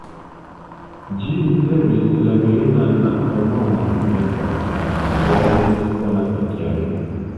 Ĝi ricevis la virinan antaŭnomon ""Meta"" sen konata kialo.